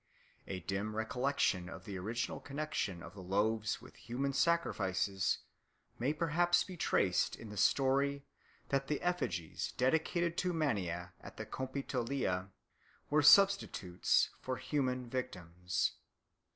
A dim recollection of the original connexion of the loaves with human sacrifices may perhaps be traced in the story that the effigies dedicated to Mania at the Compitalia were substitutes for human victims.